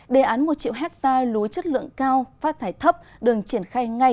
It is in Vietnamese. đề án một triệu hectare lúa chất lượng cao phát thải thấp đừng triển khai ngay